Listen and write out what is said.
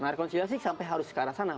nah rekonsiliasi sampai harus ke arah sana